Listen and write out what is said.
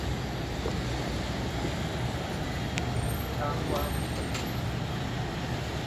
nyuma yo kurangiza interuro cyangwa kuruhuka